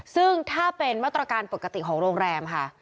ซึ่งถ้าเป็นมาตรการปกติของโรงแรมค่ะ